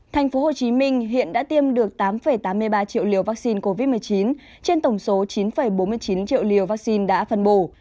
thành phố hồ chí minh hiện đã tiêm được tám tám mươi ba triệu liều vaccine covid một mươi chín trên tổng số chín bốn mươi chín triệu liều vaccine đã phân bổ